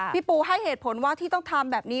พี่ปูให้เหตุผลว่าที่ต้องทำแบบนี้